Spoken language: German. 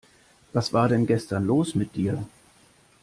Was war denn gestern los mit dir?